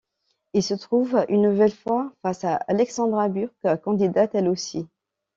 Il se retrouve une nouvelle fois face à Alexandra Burke, candidate elle aussi.